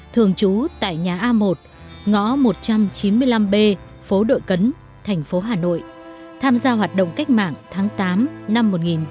thường trú tại nhà a một ngõ một trăm chín mươi năm b phố đội cấn thành phố hà nội tham gia hoạt động cách mạng tháng tám năm một nghìn chín trăm bốn mươi năm